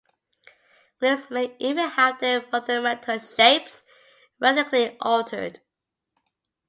Glyphs may even have their fundamental shapes radically altered.